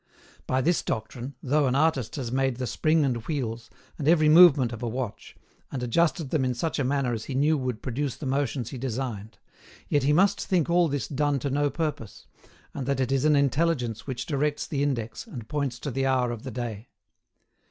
By this doctrine, though an artist has made the spring and wheels, and every movement of a watch, and adjusted them in such a manner as he knew would produce the motions he designed, yet he must think all this done to no purpose, and that it is an Intelligence which directs the index, and points to the hour of the day.